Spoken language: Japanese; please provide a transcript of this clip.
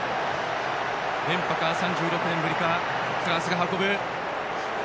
連覇か、３６年ぶりかフランスが運ぶ。